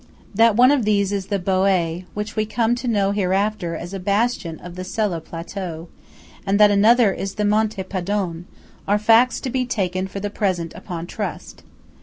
That one of these is the Boé (which we come to know hereafter as a bastion of the Sella plateau) and that another is the Monte Padon, are facts to be taken for the present upon trust.